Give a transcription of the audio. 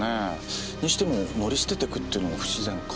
にしても乗り捨てていくってのは不自然か。